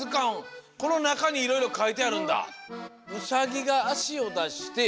このなかにいろいろかいてあるんだ。